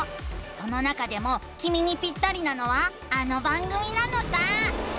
その中でもきみにピッタリなのはあの番組なのさ！